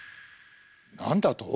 なんだと？